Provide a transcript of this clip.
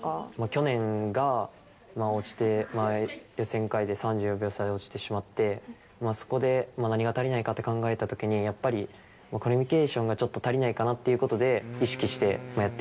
去年が落ちて、予選会で３４秒差で落ちてしまって、そこで何が足りないかって考えたときに、やっぱりコミュニケーションがちょっと足りないかなということで、